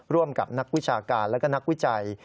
ร่วมกับนักวิชาการและก็นักวิจัย